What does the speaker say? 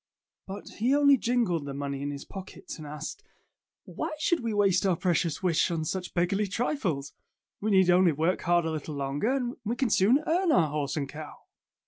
But he only jingled the money in his pockets and asked, "Why should we waste our precious wish on such beggarly trifles ? We need only work hard a little longer, and we can soon earn our horse and cow."